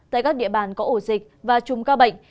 tại các địa bàn có ổ dịch và chùm ca bệnh